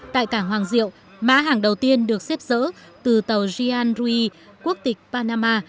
tại cảng hoàng diệu mã hàng đầu tiên được xếp dỡ từ tàu gian rui quốc tịch panama